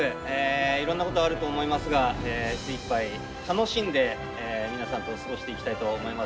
いろんなことあると思いますが精いっぱい楽しんで皆さんと過ごしていきたいと思います。